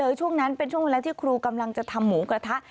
ช่วงนั้นเป็นช่วงเวลาที่ครูกำลังจะทำหมูกระทะ